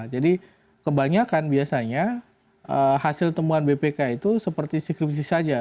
jadi kebanyakan biasanya hasil temuan bpk itu seperti skripsi saja